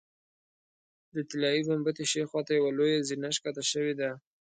د طلایي ګنبدې ښي خوا ته یوه لویه زینه ښکته شوې ده.